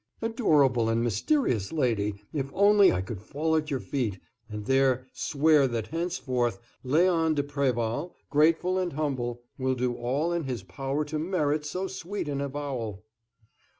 "Adorable and mysterious lady, if only I could fall at your feet, and there swear that henceforth Léon de Préval, grateful and humble, will do all in his power to merit so sweet an avowal!"